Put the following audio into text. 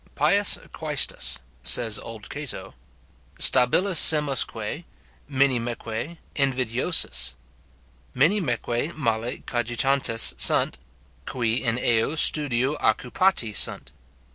"Pius quaestus", says old Cato, "stabilissimusque, minimeque invidiosus; minimeque male cogitantes sunt, qui in eo studio occupati sunt."